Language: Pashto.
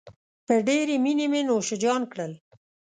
په ډېرې مينې مې نوشیجان کړل.